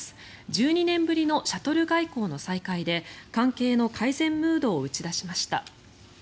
１２年ぶりのシャトル外交の再開で関係の改善ムードを打ち出しました。